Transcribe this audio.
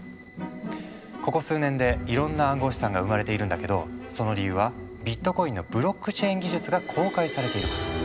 ここ数年でいろんな暗号資産が生まれているんだけどその理由はビットコインのブロックチェーン技術が公開されているから。